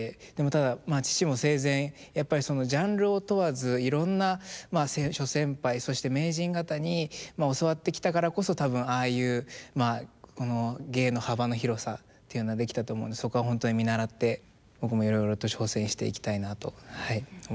ただ父も生前やっぱりジャンルを問わずいろんな諸先輩そして名人方に教わってきたからこそ多分ああいう芸の幅の広さというのはできたと思うのでそこは本当に見習って僕もいろいろと挑戦していきたいなとはい思います。